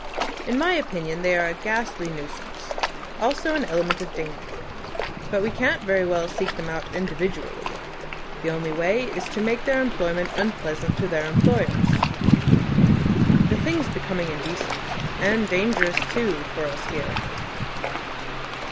In my opinion they are a ghastly nuisance; also an element of danger. But we can't very well seek them out individually. The only way is to make their employment unpleasant to their employers. The thing's becoming indecent. And dangerous too, for us, here."